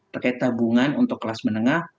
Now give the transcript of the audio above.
terkait tabungan untuk kelas menengah